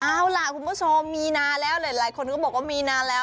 เอาล่ะคุณผู้ชมมีนานแล้วหลายคนก็บอกว่ามีนานแล้ว